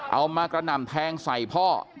มากระหน่ำแทงใส่พ่อ